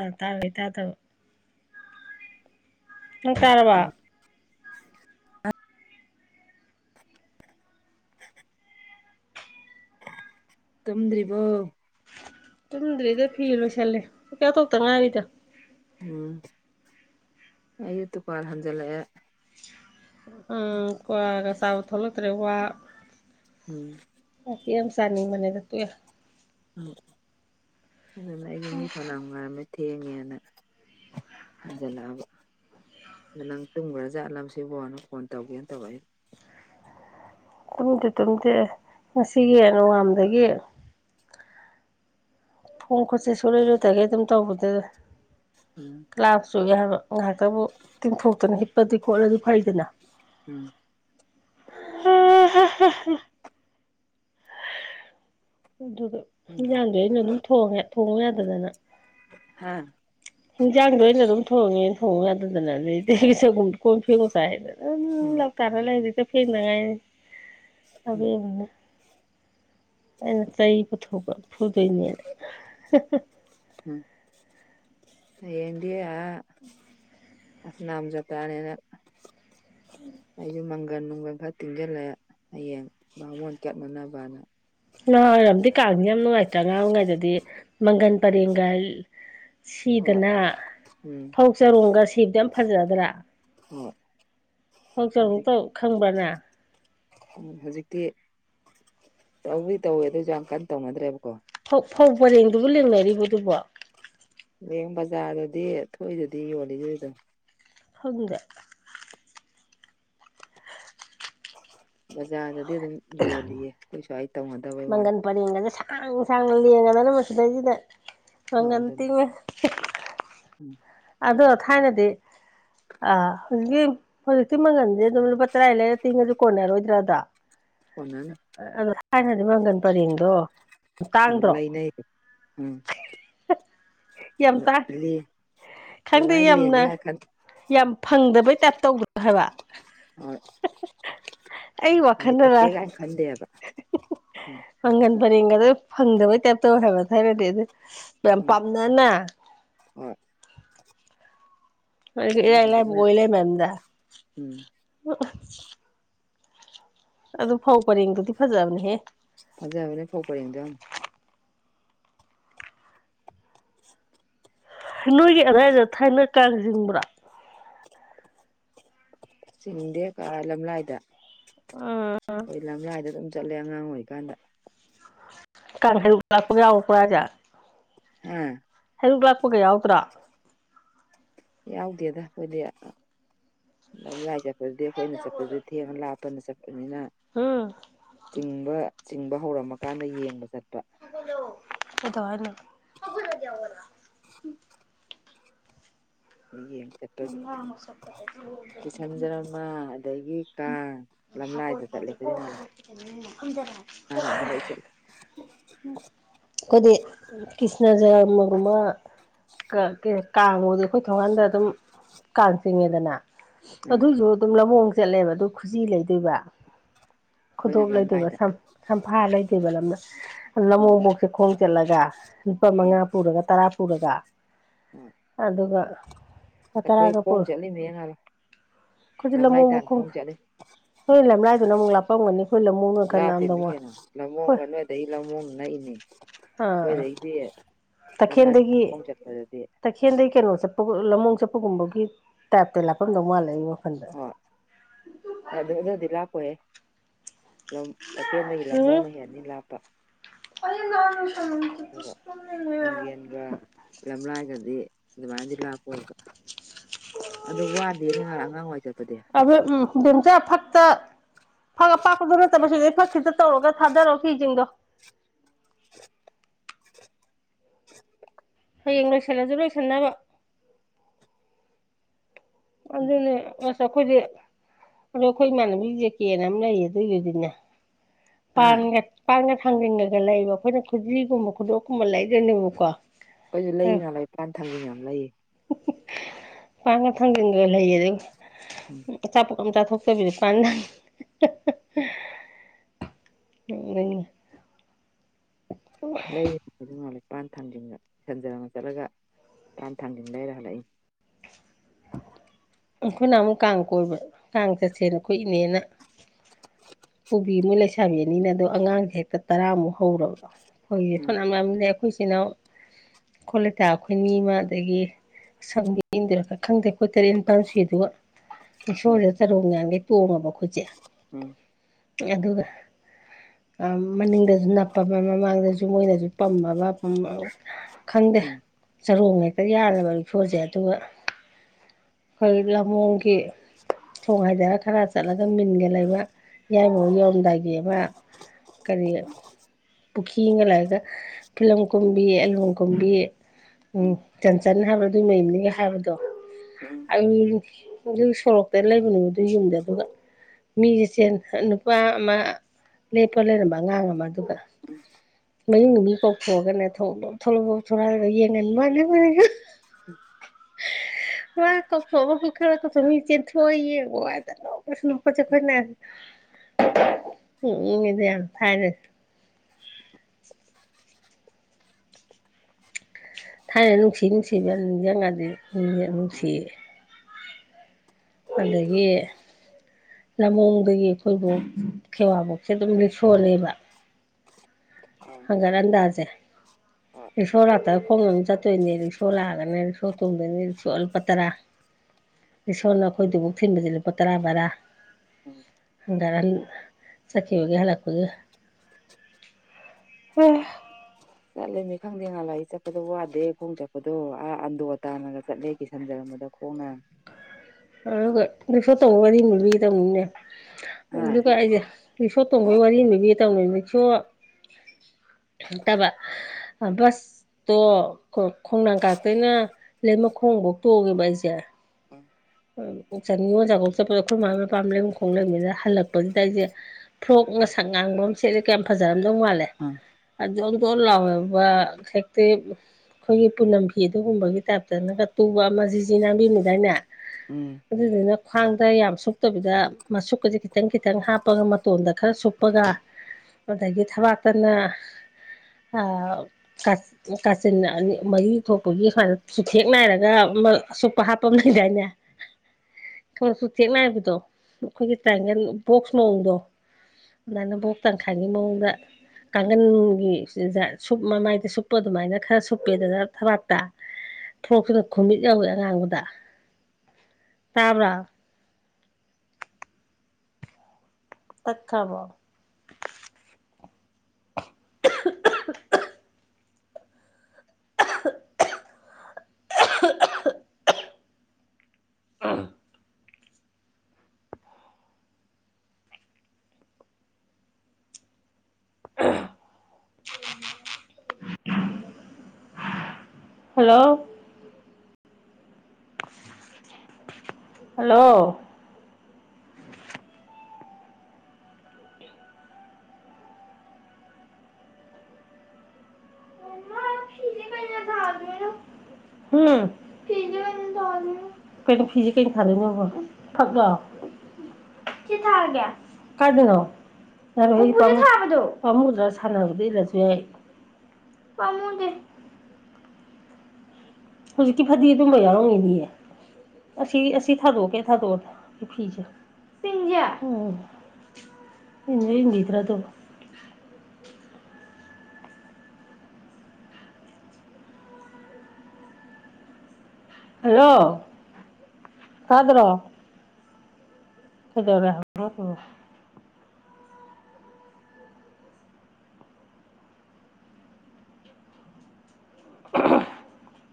ꯑꯥ ꯇꯥꯋꯏ ꯇꯥꯗꯕꯪ ꯀꯥꯔꯕ ꯎꯝ [inaudible] ꯇꯝꯗ꯭ꯔꯤꯕꯣ ꯇꯨꯝꯗ꯭ꯔꯤꯗ ꯐꯤ ꯂꯣꯏꯁꯜꯂꯦꯀꯌꯥꯊꯣꯛꯇ ꯉꯥꯏꯔꯤꯗꯣ ꯎꯝ ꯑꯩ ꯇꯨꯀꯥꯜ ꯍꯟꯖꯜꯂꯛꯑꯦ ꯎ ꯀꯒ ꯁꯥꯎ ꯊ ꯍꯂꯛꯇ꯭ꯔꯦ ꯋꯥ ꯎꯝ ꯌꯥꯝ ꯁꯥꯅꯤꯡ ꯃꯅꯦꯗꯠꯇꯨ ꯌꯥ ꯎ ꯑꯗꯨ ꯑꯩꯁꯨ ꯃꯤ ꯐꯅꯥ ꯉꯔꯝꯃꯦ ꯊꯦꯡꯉꯦꯅ ꯐꯖꯜꯂꯛꯑꯕ ꯑꯗ ꯅꯪ ꯇꯨꯝꯈ꯭ꯔꯥ ꯆꯠꯂꯝꯕꯁꯤꯕꯣ ꯅꯪ ꯐꯣꯟ ꯇꯧꯒꯦꯅ ꯇꯧꯕ ꯑꯩ ꯇꯨꯝꯗꯦ ꯇꯨꯝꯗꯦ ꯉꯁꯤꯒꯤ ꯅꯣꯡꯉꯥꯝꯗꯒꯤ ꯈꯣꯡ ꯈꯨꯣꯠꯁ ꯁꯨꯂꯣꯏ ꯂꯣꯏꯇꯒꯦ ꯑꯗꯨꯝ ꯇꯧꯕꯗꯨꯗ ꯎꯝ ꯂꯥꯛꯞꯁꯨ ꯌꯥ ꯍꯥꯏꯕ ꯉꯥꯏꯍꯥꯛꯇꯕꯨ ꯇꯤꯡꯊꯣꯛꯇꯅ ꯍꯤꯠꯄꯗꯤ ꯈꯣꯠꯂꯗꯤ ꯐꯩꯗꯅ ꯎꯝ ꯎꯝ ꯑꯗꯨꯗ ꯈꯪꯗꯦ ꯏꯤꯟꯖꯥꯡꯗꯣ ꯑꯩꯅ ꯑꯗꯨꯝ ꯊꯣꯡꯉꯦ ꯊꯣꯡꯕ ꯌꯥꯗꯗꯅ ꯍꯥꯝ ꯍꯤꯟꯖꯥꯡꯗꯣ ꯑ ꯑꯣꯏꯅ ꯑꯗꯨꯝ ꯊꯣꯡꯉꯦ ꯊꯣꯡꯉ ꯌꯥꯗꯅ ꯑꯗꯨ ꯆꯒꯨꯝꯕ ꯀꯣꯟ ꯐꯦꯡꯉꯨ ꯆꯥꯏ ꯍꯥꯏꯗꯅ ꯎꯝ ꯂꯧ ꯇꯥꯔ ꯂꯩꯗꯤꯁꯨ ꯐꯦꯡꯅꯉꯥꯏ ꯎꯝ ꯑꯗꯨꯕꯅ ꯑꯩꯅ ꯆꯩ ꯄꯨꯊꯣꯛꯄ ꯐꯨꯗꯣꯏꯅꯦꯅ ꯎꯝ ꯌꯦꯗꯤ ꯑꯅꯥꯝ ꯆꯄ꯭ꯔꯥꯅꯦꯅ ꯑꯌꯨ ꯃꯪꯒꯜ ꯅꯨꯡꯒꯜ ꯐ ꯇꯤꯡꯁꯤꯜꯂ ꯍꯌꯦꯡ ꯃꯉꯣꯟ ꯆꯠꯅꯅꯕꯅ ꯉꯍꯥ ꯑꯣꯏꯔꯝꯗꯤ ꯀꯥꯗꯤꯦ ꯌꯥꯝ ꯅꯨꯡꯉꯥꯏꯇ꯭ꯔꯥ ꯉꯉꯥꯡ ꯑꯣꯏꯔꯤꯉꯩꯗꯗꯤ ꯃꯪꯒꯟ ꯄꯔꯦꯡꯒ ꯍꯣꯏ ꯁꯤꯗꯅ ꯎꯝ ꯐꯧ ꯆꯔꯣꯡꯒ ꯁꯤꯕꯗꯤ ꯌꯥꯝ ꯐꯖꯗ꯭ꯔꯥ ꯎꯝ ꯍꯣꯡꯆꯛꯇꯧ ꯈꯪꯕꯅꯦ ꯎꯝ ꯍꯧꯖꯤꯛꯇꯤ ꯇꯧꯋꯤ ꯇꯧꯋꯦ ꯑꯗꯨ ꯑꯣꯏꯁꯨ ꯌꯥꯝ ꯀꯟꯅ ꯇꯧꯅꯗ꯭ꯔꯦꯕꯀꯣ ꯐꯧ ꯄꯔꯦꯡꯗꯨꯕꯨ ꯂꯦꯡꯅꯔꯤꯕꯗꯨꯕꯣ ꯂꯌꯦꯡ ꯕꯖꯥꯔꯗꯗꯤ ꯊꯣꯛꯏꯗꯨꯗꯤ ꯌꯣꯜꯂꯤꯗꯣꯏꯗꯝ ꯍꯪꯗꯦ ꯕꯖꯥꯔꯗꯗꯤ ꯑꯗꯨꯝ ꯌꯣꯜꯂꯤꯌꯦ ꯀꯩꯁꯨꯋꯥꯏ ꯇꯧꯅꯗꯕꯩ ꯋꯥꯅꯤ ꯄꯔꯦꯡꯒꯁ ꯁꯥꯡ ꯁꯥꯡꯅ ꯂꯦꯡꯉꯗꯅ ꯃꯁꯤꯗꯩꯁꯤꯗ ꯍꯣꯏ ꯃꯪꯒꯟ ꯑꯗꯨꯅꯦ ꯇꯤꯡꯉ ꯎꯝ ꯑ ꯊꯥꯏꯅꯗꯤ ꯑꯥ ꯍꯧꯖꯤꯛꯀꯤ ꯍꯧꯖꯤꯛꯀꯤ ꯃꯪꯒꯜꯁꯦ ꯑꯗꯨꯝ ꯂꯨꯄꯥ ꯇꯔꯥ ꯂꯩꯔ ꯇꯤꯡꯉꯁꯨ ꯀꯣꯟꯅꯔꯣꯏꯗ꯭ꯔꯥꯗ ꯀꯅꯤ ꯑꯗꯣ ꯊꯥꯏꯅꯗꯤ ꯃꯪꯒꯟ ꯄꯔꯦꯡꯗꯣ ꯑꯣ ꯇꯥꯡꯗ꯭ꯔꯣ ꯂꯥꯏꯟꯦ ꯎꯝ ꯌꯥꯝ ꯇꯥꯡ ꯏ ꯈꯪꯗꯦ ꯌꯥꯝꯅ ꯌꯥꯝ ꯐꯪꯗꯕꯩ ꯇꯥꯏꯞ ꯇꯧꯗ꯭ꯔꯣ ꯍꯥꯏꯕ ꯍ ꯑꯩ ꯋꯥꯈꯜꯗꯔ ꯍꯦꯒ ꯈꯗꯦꯑꯕ ꯎꯝ ꯄꯪꯒꯟ ꯄꯔꯦꯡꯒ ꯑꯗꯨ ꯐꯪꯗꯕꯩ ꯇꯥꯏꯞꯇꯧ ꯑꯣꯏ ꯍꯥꯏꯕ ꯊ ꯍꯥꯏꯔꯗꯤ ꯑꯗꯨ ꯌꯥꯝ ꯎꯝ ꯄꯥꯝꯅꯅ ꯍꯣꯏ ꯑꯗ ꯂ ꯍꯧꯖꯤꯛꯅ ꯑꯣꯏꯂ ꯃꯗ ꯎꯝ ꯑꯗꯨ ꯐꯧ ꯄꯔꯦꯡꯗꯨꯗꯤ ꯐꯖꯕꯅꯦꯍꯦ꫰꫰ ꯐꯖꯕꯅꯤ ꯐꯧ ꯄꯥꯔꯦꯡꯗꯣ ꯌꯥꯝ꯫ ꯅꯣꯏꯒꯤ ꯑꯗꯥꯏꯗ ꯊꯥꯏꯅ ꯀꯥꯡ ꯆꯤꯡꯕ꯭ꯔꯥ꯫ ꯁꯤꯗꯦ ꯀꯂ ꯂꯝꯂꯥꯏꯗ꯫ ꯑ ꯑꯩꯈꯣꯏ ꯂꯝꯂꯥꯏꯗ ꯑꯗꯨꯝ ꯆꯠꯂꯦ ꯑꯉꯥꯡ ꯑꯣꯏꯔꯤꯀꯥꯟꯗ꯫ ꯀꯥꯟ ꯍꯥꯏꯔꯨꯛ ꯂꯥꯛꯄ ꯌꯥꯎꯕ꯭ꯔ ꯍꯥꯏꯁꯦ꯫ ꯍ꯫ ꯍꯩꯔꯨꯛ ꯂꯥꯛꯄꯒ ꯌꯥꯎꯗ꯭ꯔꯣ꯫ ꯌꯥꯎꯗꯦꯗ ꯑꯩꯈꯣꯏꯗꯤ ꯑ ꯃꯌꯥꯏ ꯆꯠꯄꯗꯨꯗꯤ ꯑꯩꯈꯣꯏꯅ ꯆꯠꯄꯗꯨꯗꯤ ꯊꯦꯡꯉ ꯂꯥꯞꯄꯅ ꯆꯠꯄꯅꯤꯅ꯫ ꯎꯝ꯫ ꯆꯤꯡꯕ ꯆꯤꯡꯕ ꯍꯧꯔꯝꯃ ꯀꯥꯟꯗ ꯌꯦꯡꯕ ꯆꯠꯄ꯫ ꯀꯩꯗꯧ ꯍꯥꯏꯅꯣ꯫ ꯌꯦꯡ ꯆꯄ ꯀꯤꯁꯅꯔꯖꯔꯃꯥ ꯑꯗꯒꯤ ꯀꯥꯡ꯫ ꯍꯥꯀꯣ ꯂꯝꯂꯥꯏꯗ ꯆꯠꯂꯦ ꯍꯥꯏꯁꯦ ꯑꯩꯈꯣꯏꯗꯤ ꯀꯣꯛ ꯉꯥꯜꯂ ꯉꯥꯔꯣꯝꯗ ꯂꯣꯏ ꯆꯠꯂꯦ [inaudible] ꯑꯩꯈꯣꯏꯗꯤ ꯀ꯭ꯔꯤꯁꯅꯔ ꯖꯔꯃꯒꯨꯝꯕ ꯀꯥꯡꯒꯨꯗꯨ ꯑꯩꯈꯣꯏ ꯊꯣꯡꯒꯥꯟꯗ ꯑꯗꯨꯝ ꯀꯥꯡ ꯆꯤꯡꯉꯦꯗꯅ ꯎꯝ ꯑꯗꯨꯏꯁꯨ ꯑꯗꯨꯝ [unintelligible] ꯆꯠꯂꯦꯕ ꯑꯗꯨ ꯈꯨꯖꯤ ꯂꯩꯗꯣꯏꯕ꯫ ꯑꯩꯈꯣꯏꯅ ꯈꯨꯗꯣꯞ ꯂꯩꯗꯣꯏꯕ ꯂꯝꯂꯥꯏꯗ ꯁꯝꯐꯥ ꯂꯩꯗꯣꯏꯕ ꯂꯝꯅ ꯎꯝ ꯂꯃꯣꯡꯕꯣꯛꯁꯦ ꯈꯣꯡ ꯆꯠꯂꯒ ꯂꯨꯄꯥ ꯎꯝ ꯃꯉꯥ ꯄꯨꯔꯒ ꯇꯔꯥ ꯄꯨꯔꯒ꯫ ꯍꯣꯏ ꯑꯗꯨꯒ꯫ ꯑꯩꯈꯣꯏ ꯇꯔꯥꯒ ꯈꯣꯡ ꯄꯨꯔ ꯆꯠꯂꯤ ꯃꯤꯌꯦ ꯂꯥꯡꯅꯨ ꯂꯝꯂꯥꯏ ꯇꯥꯟꯅ ꯈꯣꯡ ꯆꯠꯂꯤ꯫ ꯍꯣꯏ ꯂꯝ ꯂꯥꯏꯗꯨꯅ ꯑꯃꯨꯛ ꯂꯞꯄꯝꯒꯅꯤ ꯑꯩꯈꯣꯏ ꯂꯝꯂꯣꯡꯅ ꯈꯔ ꯅꯥꯛꯑꯃꯗꯧ ꯃꯥꯜ꯫ ꯂꯝꯃꯣꯡ ꯅꯣꯏꯗ ꯑꯗꯩ ꯂꯝꯃꯣꯡꯅ ꯅꯛꯏꯅꯦ꯫ ꯑꯥ ꯑꯩꯈꯣꯏꯗꯩꯗꯤ ꯂꯝꯂꯥꯏ ꯈꯣꯡ ꯆꯠꯄꯗꯗꯤ ꯇꯈꯦꯜꯗꯩ ꯀꯩꯅꯣ ꯆꯠꯄ ꯂꯝꯃꯣꯡ ꯆꯠꯄꯒꯨꯝꯕꯒꯤ ꯇꯥꯏꯞꯇ ꯂꯥꯞꯄꯐꯝꯗꯧ ꯃꯥꯜꯂꯦ ꯑꯩ ꯋꯈꯥꯜꯗ꯫ ꯍꯣꯏ ꯑꯦ ꯑꯗꯨꯛꯅꯗꯤ ꯂꯥꯞꯄꯣꯏꯍꯦ꯫ ꯇꯈꯦꯜꯗꯒꯤ ꯎꯝ ꯂꯝꯍꯣꯡꯅ ꯍꯦꯅꯤ ꯂꯥꯞꯄ꯫ [unintelligible] ꯏꯒ ꯅꯪ ꯌꯦꯟꯒ ꯂꯝꯂꯥꯏꯒꯗꯤ ꯑꯗꯨꯃꯥꯏꯗꯤ ꯂꯥꯞꯄꯣꯏꯕ꯫ ꯑꯗꯨ ꯋꯥꯗꯦ ꯅ ꯑꯉꯥꯡꯋꯥꯏ ꯆꯠꯄꯗꯤ꯫ ꯑꯗꯨ ꯎꯝ ꯕꯦꯝꯆꯥꯔ ꯐꯛꯇ ꯐꯛ ꯑꯄꯥꯛꯄꯗꯨ ꯅꯠꯇꯕ ꯁꯤꯗꯩꯩ ꯐꯛ ꯈꯤꯇ ꯇꯧꯔꯒ ꯊꯥꯗꯔꯣ ꯐꯤꯁꯤꯡꯗꯣ꯫ ꯍꯌꯦꯡ ꯂꯣꯏꯁꯤꯜꯂꯁꯨ ꯂꯣꯏꯁꯤꯟꯅꯕ꯫ ꯑꯗꯨꯅꯦ ꯑꯁ ꯑꯩꯈꯣꯏꯗꯤ ꯑꯗꯣ ꯑꯩꯈꯣꯏ ꯏꯃꯥꯟꯅꯕꯤ ꯖꯦꯀꯦꯅ ꯑꯃ ꯂꯩꯌꯦ ꯑꯗꯨꯏꯗꯨꯗꯤꯅꯦ ꯍꯥ ꯄꯥꯟꯒ ꯄꯥꯟꯒ ꯊꯥꯡꯖꯤꯟꯉꯒ ꯂꯩꯕ ꯑꯩꯈꯣꯏꯅ ꯈꯨꯖꯤꯒꯨꯝꯕ ꯈꯨꯗꯣꯞꯀꯨꯝꯕ ꯂꯩꯗꯣꯏꯅꯦꯕꯀꯣ꯫ ꯑꯩꯈꯁꯨ ꯂꯩ ꯂꯩ ꯄꯥꯟꯊꯥꯡꯖꯤꯡ ꯌꯥꯝ ꯂꯩꯌꯦ꯫ ꯄꯥꯟꯒ ꯊꯥꯡꯖꯤꯟꯗ ꯂꯩꯌꯦ ꯑꯗꯨꯒ ꯎꯝ ꯑꯆꯥꯄꯣꯠ ꯑꯃ ꯆꯥꯊꯣꯛꯇꯕꯤꯗ ꯄꯥꯟ ꯊꯥꯡꯖꯤꯡ ꯅꯣꯛꯅꯤꯡꯉꯤ꯫ ꯂꯩ ꯑꯈꯣꯏꯁꯨ ꯅꯍꯥꯟꯋꯥꯏ ꯄꯥꯟ ꯊꯥꯡꯖꯤꯟꯗ [unintelligible] ꯆꯠꯂꯒ ꯄꯥꯟ ꯊꯥꯟꯖꯤꯟ ꯂꯩꯔ ꯍꯜꯂꯛꯏ ꯑꯩꯈꯣꯏꯅ ꯑꯃꯨꯛ ꯀꯥꯡ ꯀꯣꯏꯕ ꯀꯥꯡ ꯆꯠꯁꯦꯅ ꯑꯩꯈꯣꯏ ꯏꯅꯦꯅ꯫ ꯕꯤ ꯃꯣꯏ ꯂꯩꯁꯥꯕꯤꯅꯤꯅ ꯑꯗꯣ ꯑꯉꯥꯡꯁꯦ ꯍꯦꯛꯇ ꯇꯔꯥꯃꯨꯛ ꯍꯧꯔꯕ ꯑꯈꯣꯏꯒꯤ ꯎꯝ [unintelligible] ꯂꯩ꯫ ꯑꯩꯈꯣꯏ ꯁꯤꯅ ꯑꯩꯈꯣꯏ ꯂꯩꯀꯥꯏ ꯑꯅꯤ ꯑꯃ ꯑꯗꯒꯤ ꯁꯪꯗꯦ ꯏꯟꯗꯔ ꯈꯪꯗꯦ ꯈꯣꯠꯇꯔꯦ ꯅꯤꯄꯥꯥꯟ ꯁꯨꯏ ꯑꯗꯨꯒ ꯎꯝ ꯏꯁꯣꯔꯁꯦ ꯆꯔꯣꯡ ꯃꯥꯡꯈꯩ ꯇꯣꯡꯉꯕ ꯈꯨꯠꯁꯦ꯫ ꯎꯝ꯫ ꯑꯗꯨꯒ ꯃꯅꯤꯡꯗꯁꯨ ꯅꯞꯄꯕ ꯃꯃꯥꯡꯗꯁꯨ ꯃꯣꯏꯅꯁꯨ ꯄꯝꯃꯕ ꯈꯪꯗꯦ ꯎꯝ ꯆꯔꯣꯡ ꯍꯦꯛꯇ ꯌꯥꯜꯂꯕ ꯔꯤꯐꯣꯔꯜꯁꯦ ꯑꯗꯨꯒ ꯑꯩꯈꯣꯏ ꯂꯝꯍꯣꯡꯒꯤ ꯊꯣꯡ ꯍꯥꯏꯥꯏꯗꯔ ꯈꯔ ꯆꯠꯂꯒ ꯃꯤꯟꯒ ꯂꯩꯕ ꯌꯥꯏꯃꯨ ꯌꯣꯟꯝꯗꯥꯒꯕ ꯀꯔꯤ ꯄꯨꯈ꯭ꯔꯤꯒ ꯂꯒ ꯐꯤꯂꯝ ꯀꯨꯝꯕꯤ ꯑꯦꯜꯕꯝꯒꯨꯝꯕꯤ ꯎꯝ ꯆꯟꯆꯟ ꯍꯥꯏꯕ ꯑꯗꯨꯏ ꯃꯌꯨꯝꯅꯤꯒ ꯍꯥꯏꯕꯗꯣ ꯎꯝ ꯁꯣꯔꯣꯛꯇ ꯂꯩꯕꯅꯦꯕ ꯑꯗꯨ ꯌꯨꯝꯗ ꯑꯗꯨꯒ ꯃꯤꯁ ꯏꯆꯦꯟ ꯅꯨꯄꯥ ꯑꯃ ꯂꯦꯞꯄ ꯂꯩꯔꯝꯕ ꯑꯉꯥꯡ ꯑꯃ ꯑꯗꯨꯒ ꯃꯌ ꯅꯨꯃꯤꯠ ꯐꯥꯎꯊꯣꯛꯑꯒꯅꯦ ꯊꯣꯛ ꯊꯣꯛꯣꯂꯛꯄ ꯊꯂꯛꯑꯒ ꯌꯦꯟ ꯉ ꯃꯥ [inaudible] ꯎ ꯀꯣ ꯆ ꯊꯈꯣꯏꯅ ꯎꯝ ꯎ ꯏꯗꯤ ꯌꯥꯝ ꯊꯥꯏꯗꯦ ꯊꯥꯏꯅ ꯅꯨꯡꯁꯤ ꯅꯨꯡꯁꯤꯕꯗꯤꯪꯗꯤ ꯎꯝ ꯎꯝ ꯅꯨꯡꯁꯤ ꯑꯗꯒꯤ ꯂꯃꯣꯡꯗꯒꯤ ꯑꯩꯈꯣꯏꯕꯨ ꯀꯦꯋꯥꯕꯧꯁꯦ ꯑꯗꯨꯝ ꯂꯤꯛꯁꯣꯜꯂꯕ ꯍꯣꯏ ꯍꯒꯔ ꯑꯗꯖꯦ ꯔꯤꯛꯁꯣ ꯂꯥꯛꯇ ꯈꯣꯡ ꯑꯃ ꯆꯠꯇꯣꯏꯅꯦ ꯔꯤꯛꯁꯣ ꯂꯥꯛꯑꯒꯅꯦ ꯔꯤꯛꯁꯣ ꯇꯣꯡꯗꯣꯏꯅꯤ ꯔꯤꯛꯁꯣ ꯑꯜꯄꯥ ꯇꯔꯥ ꯏꯁꯣꯔꯅ ꯑꯩꯈꯣꯏꯗꯨꯐꯥꯎꯛ ꯊꯤꯟꯕꯁꯦ ꯂꯨꯄꯥ ꯇꯔꯥ ꯕꯔꯥ ꯎꯝ ꯒꯥꯔ ꯆꯀꯤꯈꯤꯕ ꯑꯣꯏꯒ ꯍꯂꯛꯄꯒ ꯍꯅꯦ ꯆꯠꯂꯦ ꯃꯤ ꯈꯪꯗꯦ ꯉꯥꯟꯂꯥꯏꯏ ꯆꯠꯄꯗꯣ ꯋꯥꯗꯦ ꯈꯣꯡ ꯆꯠꯄꯗꯣ ꯑ ꯑꯟꯗꯣ ꯇꯥꯟꯅꯒ ꯆꯠꯂꯦ ꯀꯤꯁꯟꯖꯔꯝꯕꯗ [unintelligible] ꯑꯗꯨꯒ ꯔꯤꯛꯁꯣ ꯇꯣꯡꯕꯒꯤ ꯋꯥꯔꯤ ꯑꯃ ꯂꯤꯕꯤꯒꯦ ꯇꯧꯅꯤꯅꯦ ꯍꯥ ꯑꯗꯨꯒ ꯑꯩꯁꯦ ꯔꯤꯛꯁꯣ ꯇꯣꯡꯕꯩ ꯋꯥꯔꯤ ꯑꯃ ꯂꯤꯕꯤꯒꯦ ꯇꯥꯎꯅꯦ ꯔꯤꯛꯁꯣ ꯇꯥꯕ꯭ꯔꯥ ꯑ ꯕꯁ ꯇꯣ ꯈꯣꯡꯅꯥꯡ ꯀꯥꯔꯛꯇꯩꯅ ꯂꯩꯃꯈꯣꯡꯐꯧ ꯇꯣꯡꯉꯦꯕ ꯑꯩꯁꯦ ꯎꯝ [unintelligible] ꯅꯤꯡꯉꯣꯜ ꯆꯥꯛꯀꯧ ꯆꯠꯄꯗ ꯑꯩꯈꯣꯏ ꯃꯥ ꯃꯄꯥꯝ ꯂꯩꯃꯈꯣꯡ ꯂꯩꯕꯅꯤꯅ ꯍꯜꯂꯛꯄꯁꯤꯗ ꯑꯩꯁꯦ ꯐ꯭ꯔꯣꯛ ꯉꯥꯡꯁꯛ ꯉꯥꯡꯕ ꯑꯃ ꯁꯦꯠꯂꯦ ꯀꯌꯥꯝ ꯐꯖꯔꯝꯗꯧ ꯃꯥꯜꯂꯦ ꯎꯝ ꯖꯣꯟꯖꯣꯟ ꯂꯥꯎꯕ [unintelligible] ꯑꯩꯈꯣꯏꯒꯤ ꯄꯨꯅꯝ ꯐꯤ ꯑꯗꯨꯒꯨꯝꯕꯒꯤ ꯇꯥꯏꯞꯇꯅꯒ ꯇꯨꯕ ꯑꯃ ꯖꯤꯖꯤ ꯅꯥꯟꯕꯤ ꯑꯃ ꯂꯩꯗꯥꯏꯅꯦ ꯑꯗꯨꯗꯨꯅ ꯈ꯭ꯋꯥꯡꯗ ꯌꯥꯝ ꯁꯨꯞꯇꯕꯤꯗ ꯃꯁꯨꯛꯀꯁꯦ ꯈꯤꯇꯪ ꯈꯤꯇꯪ ꯍꯥꯞꯄꯒ ꯃꯇꯣꯟꯗ ꯈꯔ ꯁꯨꯞꯄꯒ ꯑꯗꯒꯤ ꯊꯕꯥꯛꯛꯇꯅ ꯑ ꯀꯥꯆꯤꯟ ꯑꯅꯤ ꯃꯔꯤ ꯊꯣꯛꯄꯒꯤ ꯁꯨꯃꯥꯏꯅ ꯆꯨꯊꯦꯛ ꯅꯥꯏꯔꯒ ꯑꯁꯨꯛꯄ ꯍꯥꯞꯄ ꯂꯩꯗꯥꯏꯅꯦ [unintelligible] ꯆꯨꯊꯦꯛ ꯅꯥꯏꯕꯗꯣ ꯑꯩꯈꯣꯏꯒꯤ ꯇꯥꯏꯒꯟ ꯕꯣꯛꯁ ꯃꯑꯣꯡꯗꯣ ꯑꯗꯥꯐꯅ ꯚꯣꯛꯁ ꯇꯪꯈꯥꯏꯒꯤ ꯃꯑꯣꯡꯗ ꯀꯥꯡꯒꯟꯒꯤ [unintelligible] ꯃꯃꯥꯏꯗ ꯁꯨꯞꯄ ꯑꯗꯨꯃꯥꯏꯅ ꯈꯔ ꯁꯨꯞꯄꯦꯗꯅ ꯊꯕꯥꯛꯇ ꯊꯣꯛꯁꯤꯅ ꯈꯩꯃꯤꯠ ꯌꯧꯏ ꯑꯉꯥꯡꯕꯗ ꯇꯥꯕ꯭ꯔꯥ ꯇꯠꯈ꯭ꯔꯕꯣ [unintelligible] ꯍꯜꯂꯣ ꯍꯜꯂꯣ ꯎꯝ [unintelligible] ꯀꯩꯅꯣ ꯐꯤꯁꯦ ꯀꯩꯅꯣ ꯊꯥꯗꯣꯏꯅꯦꯕ ꯐꯛ ꯂꯣ ꯁꯤ ꯊꯥꯔꯒꯦ ꯀꯥꯏꯗꯅꯣ ꯜ [unintelligible] ꯁꯥꯟꯅꯕꯗ ꯅꯟꯂꯁꯨ ꯌꯥꯏ ꯄꯥꯃꯨꯗꯦ ꯍꯧꯖꯤꯛꯀꯤ ꯐꯗꯤ ꯑꯗꯨꯝꯕ ꯌꯥꯎꯔꯝꯒꯤꯅꯤꯑ ꯑꯁꯤ ꯑꯁꯤ ꯊꯥꯗꯣꯛꯀꯦ ꯊꯥꯗꯣꯛꯑꯦ ꯐꯤꯁꯦ [unintelligible] [unintelligible] ꯑꯗꯨꯕꯨ ꯍꯜꯂꯣ ꯇꯥꯗ꯭ꯔꯣ ꯀꯩꯗꯧꯔꯦ ꯍꯥꯏꯕꯅꯣ ꯑꯁꯤꯕꯣ [unintelligible]